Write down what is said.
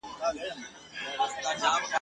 نن په سپینه ورځ درځمه بتخانې چي هېر مي نه کې ..